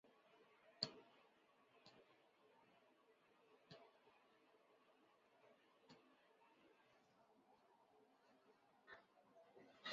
创立初时只有的日本安田纪念赛及香港冠军一哩赛两关。